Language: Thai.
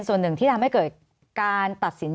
สวัสดีครับทุกคน